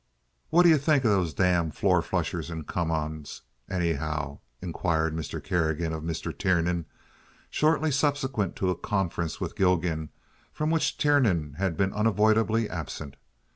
"Whaddye think of those damn four flushers and come ons, anyhow?" inquired Mr. Kerrigan of Mr. Tiernan, shortly subsequent to a conference with Gilgan, from which Tiernan had been unavoidably absent.